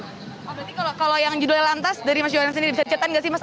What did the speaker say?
berarti kalau yang judulnya lantas dari mas johan sendiri bisa ceritain nggak sih mas